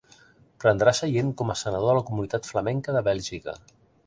Prendrà seient com a senador de la Comunitat Flamenca de Bèlgica.